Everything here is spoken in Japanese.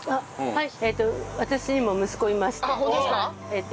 はい。